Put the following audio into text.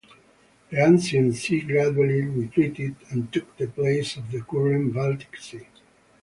The ancient sea gradually retreated and took the place of the current Baltic Sea.